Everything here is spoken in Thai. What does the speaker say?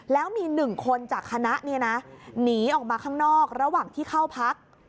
แล้วมี๑คนจากคณะหนีออกมาข้างนอกระหว่างที่เข้าพัก